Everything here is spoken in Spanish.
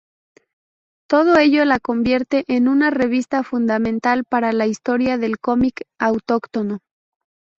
Todo ello la convierte en una revista fundamental para la historia del cómic autóctono.